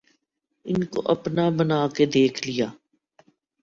ان کو اپنا بنا کے دیکھ لیا